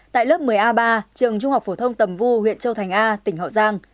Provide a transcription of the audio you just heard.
tại lớp một mươi a ba trường trung học phổ thông tầm vu huyện châu thành a tỉnh hậu giang